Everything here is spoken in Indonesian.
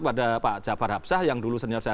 kepada pak jabar habsah yang dulu senior saya